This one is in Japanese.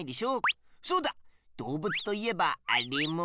そうだどうぶつといえばあれも？